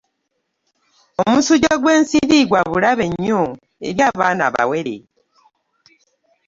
omusujja gw'ensiri gwa bulabe nnyo eri abaana abawere.